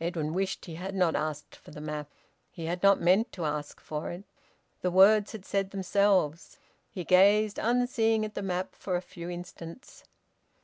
Edwin wished he had not asked for the map. He had not meant to ask for it. The words had said themselves. He gazed unseeing at the map for a few instants.